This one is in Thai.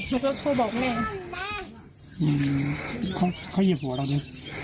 ลูกก็โทรบอกแม่เขาเขาเหยียบหัวเราไหม